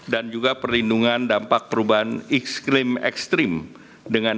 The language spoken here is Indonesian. dan juga perlindungan dampak perubahan kesehatan